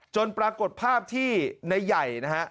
ปรากฏภาพที่ในใหญ่นะฮะ